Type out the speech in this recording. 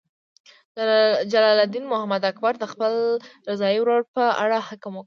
جلال الدین محمد اکبر د خپل رضاعي ورور په اړه حکم وکړ.